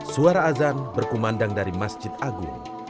suara azan berkumandang dari masjid agung